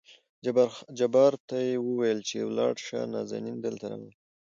جبار ته يې ووېل چې ولاړ شه نازنين دلته راوله.